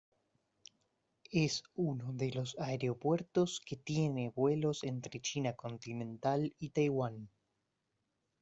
Es uno de los aeropuertos que tiene vuelos entre China continental y Taiwán.